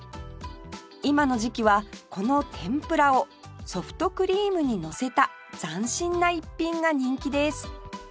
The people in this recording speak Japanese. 今の時期はこの天ぷらをソフトクリームにのせた斬新な一品が人気です